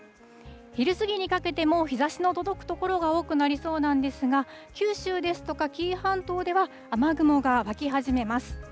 昼過ぎにかけても日ざしの届く所が多くなりそうなんですが、九州ですとか紀伊半島では、雨雲が湧き始めます。